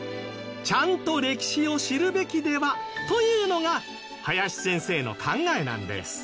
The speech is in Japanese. ちゃんと歴史を知るべきでは？というのが林先生の考えなんです